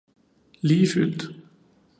"Lige fyldt."